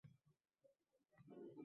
Balki Mahliyoni yoqtirmas